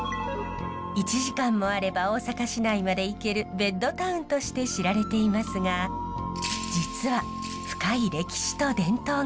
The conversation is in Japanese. １時間もあれば大阪市内まで行けるベッドタウンとして知られていますが実は深い歴史と伝統が横たわります。